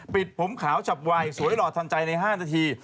ปิดผมขาวฉับไวสวยหล่อทันใจใน๕นาที